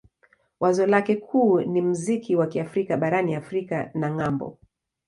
Wazo lake kuu ni muziki wa Kiafrika barani Afrika na ng'ambo.